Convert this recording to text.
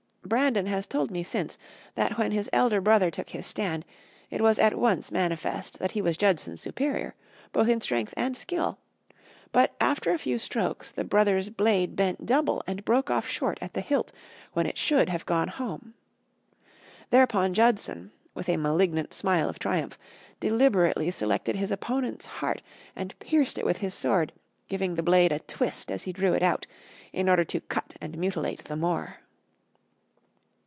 Brandon has told me since, that when his elder brother took his stand, it was at once manifest that he was Judson's superior, both in strength and skill, but after a few strokes the brother's blade bent double and broke off short at the hilt when it should have gone home. Thereupon, Judson, with a malignant smile of triumph, deliberately selected his opponent's heart and pierced it with his sword, giving the blade a twist as he drew it out in order to cut and mutilate the more.